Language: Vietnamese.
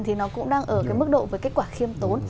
thì nó cũng đang ở cái mức độ với kết quả khiêm tốn